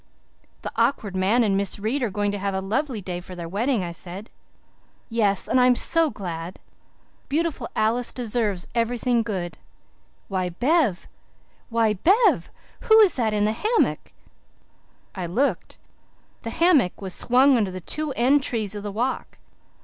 "The Awkward Man and Miss Reade are going to have a lovely day for their wedding," I said. "Yes, and I'm so glad. Beautiful Alice deserves everything good. Why, Bev why, Bev! Who is that in the hammock?" I looked. The hammock was swung under the two end trees of the Walk.